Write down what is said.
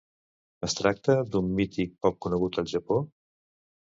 Es tracta d'un mite poc conegut al Japó?